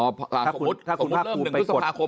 พมติ